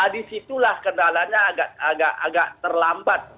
di situlah kendalanya agak terlambat